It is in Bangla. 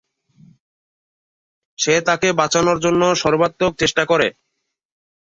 সে তাকে বাঁচানোর জন্য সর্বাত্মক চেষ্টা করে।